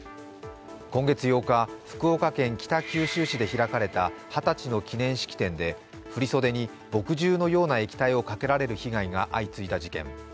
今月８日、福岡県北九州市で開かれた二十歳の記念式典で振り袖に墨汁のような液体をかけられる被害が相次いだ事件。